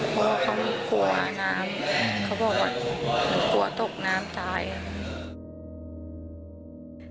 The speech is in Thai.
เพราะว่าเขากลัวอาน้ำเขาบอกว่ามันกลัวตกน้ำตายอ่ะ